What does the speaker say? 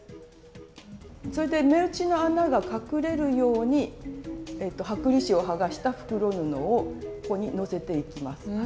それで目打ちの穴が隠れるように剥離紙を剥がした袋布をここにのせていきます。